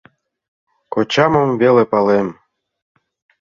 Кочамым веле палем...